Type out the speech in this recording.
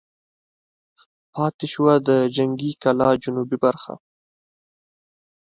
پاتې شوه د جنګي کلا جنوبي برخه.